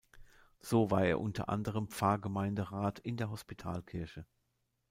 So war er unter anderem Pfarrgemeinderat in der Hospitalkirche.